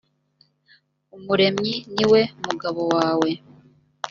umuremyi ni we mugabo wawe